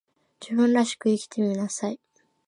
自分らしく生きてみなさい